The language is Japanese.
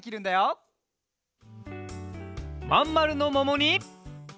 まんまるのももに！